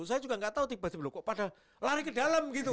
saya juga nggak tahu tiba tiba kok pada lari ke dalam gitu